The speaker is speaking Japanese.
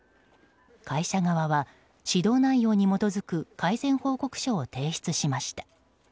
会社側は指導内容に基づく改善報告書を提出しました。